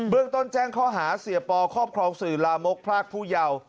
เรื่องต้นแจ้งข้อหาเสียปอครอบครองสื่อลามกพรากผู้เยาว์